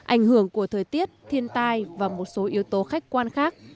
ảnh hưởng của thời tiết thiên tai và một số yếu tố khách quan khác